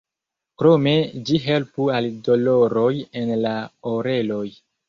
Krome ĝi helpu al doloroj en la oreloj.